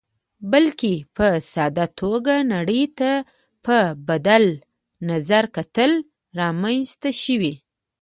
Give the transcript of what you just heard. بلکې په ساده توګه نړۍ ته په بدل نظر کتلو رامنځته شوې.